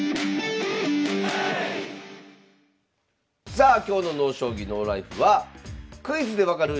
さあ今日の「ＮＯ将棋ＮＯＬＩＦＥ」は「クイズで分かる！